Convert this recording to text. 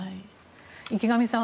池上さん